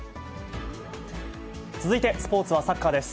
続いてスポーツはサッカーです。